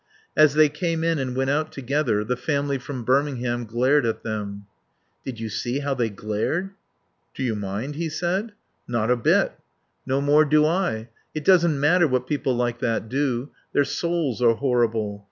As they came in and went out together the family from Birmingham glared at them. "Did you see how they glared?" "Do you mind?" he said. "Not a bit." "No more do I. It doesn't matter what people like that do. Their souls are horrible.